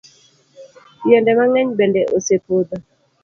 Yiende mang'eny bende osepodho.